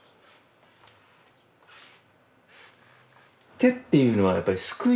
手っていうのはやっぱり救い